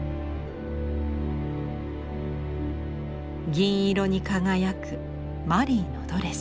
銀色に輝くマリーのドレス。